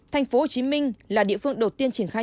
thành phố hồ chí minh là địa phương đầu tiên triển khai